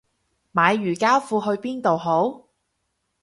買瑜伽褲去邊度好